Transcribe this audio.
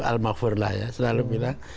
al mafur lah ya selalu bilang